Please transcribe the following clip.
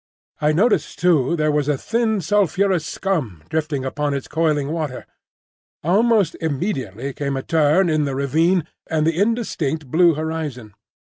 I noticed too there was a thin sulphurous scum drifting upon its coiling water. Almost immediately came a turn in the ravine, and the indistinct blue horizon.